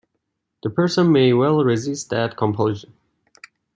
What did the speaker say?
The person may well resist that compulsion.